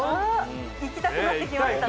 行きたくなってきましたか？